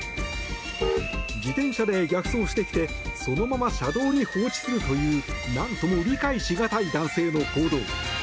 自転車で逆走してきてそのまま車道に放置するという何とも理解しがたい男性の行動。